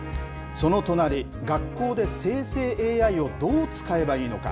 その隣、学校で生成ＡＩをどう使えばいいのか。